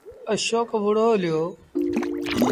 اشوڪ وُهڙو هليو۔